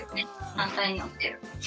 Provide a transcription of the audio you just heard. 反対になってる。